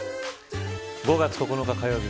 ５月９日火曜日